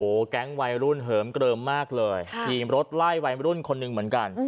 โอ้โหแก๊งวัยรุ่นเหิมเกลิมมากเลยทีมรถไล่วัยรุ่นคนหนึ่งเหมือนกัน